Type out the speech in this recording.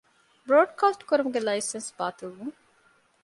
ބްރޯޑްކާސްޓްކުރުމުގެ ލައިސަންސް ބާޠިލްވުން